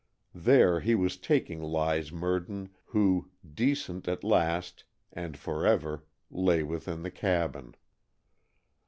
There he was taking Lize Merdin who, "decent" at last and forever, lay within the cabin.